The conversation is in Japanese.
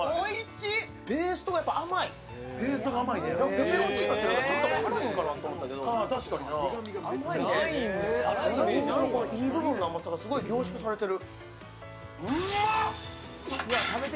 ペペロンチーノってちょっと辛いのかなと思ったんだけど、にんにくのいい部分がすごい凝縮されてる。